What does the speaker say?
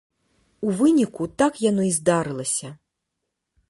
У выніку так яно і здарылася.